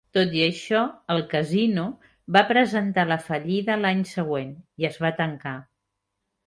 Tot i això, el casino va presentar la fallida l'any següent i es va tancar.